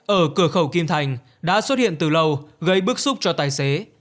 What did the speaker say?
ở cửa khẩu kim thành đã xuất hiện từ lâu gây bức xúc cho tài xế